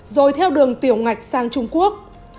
rồi theo đường tiểu ngạch sang trung quốc